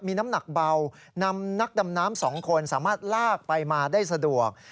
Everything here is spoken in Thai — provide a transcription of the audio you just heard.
มีน้ำหนักเบานำนักดำน้ำ๒คนสามารถลากไปมาได้สะดวก